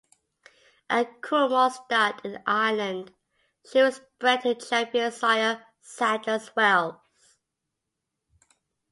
At Coolmore Stud in Ireland, she was bred to Champion sire, Sadler's Wells.